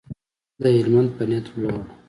د هلمند په نیت ولاړو.